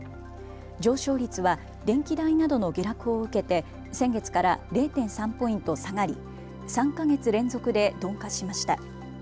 上昇率は電気代などの下落を受けて先月から０．３ポイント下がり、３か月連続で鈍化しました。